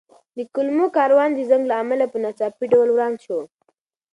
د کلمو کاروان د زنګ له امله په ناڅاپي ډول وران شو.